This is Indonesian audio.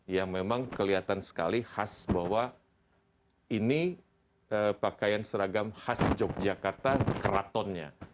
yang memang kelihatan sekali khas bahwa ini pakaian seragam khas yogyakarta keratonnya